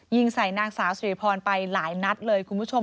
ยิงใส่นางสาวสุริพรไปหลายนัดเลยคุณผู้ชม